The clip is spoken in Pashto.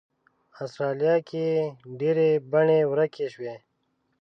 استرالیا کې یې ډېرې بڼې ورکې شوې.